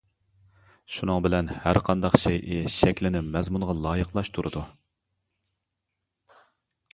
شۇنىڭ بىلەن ھەرقانداق شەيئى شەكلىنى مەزمۇنغا لايىقلاشتۇرىدۇ.